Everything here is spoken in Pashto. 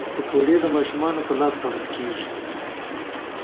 پکورې د ماشومانو په لاس خوړل کېږي